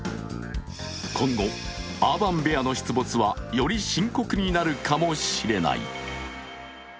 今後、アーバン・ベアの出没はより深刻になるかもしれない。